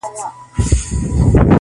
• چي ګوربت د غره له څوکي په هوا سو -